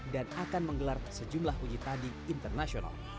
dan akan menggelar sejumlah uji tanding internasional